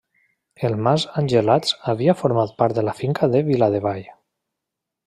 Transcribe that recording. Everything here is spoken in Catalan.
El mas Angelats havia format part de la finca de Viladevall.